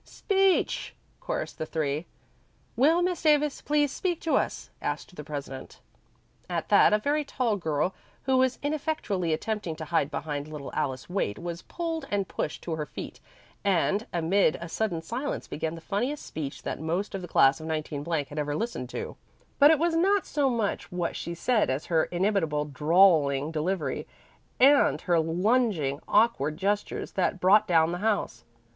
"Speech!" chorused the Three. "Will Miss Davis please speak to us?" asked the president. At that a very tall girl who was ineffectually attempting to hide behind little Alice Waite was pulled and pushed to her feet, and amid a sudden silence began the funniest speech that most of the class of 19 had ever listened to; but it was not so much what she said as her inimitable drawling delivery and her lunging, awkward gestures that brought down the house.